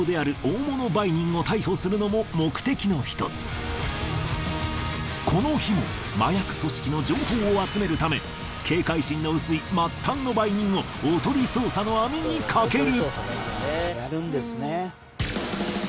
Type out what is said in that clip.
こうしたこの日も麻薬組織の情報を集めるため警戒心の薄い末端の売人をオトリ捜査の網に掛ける。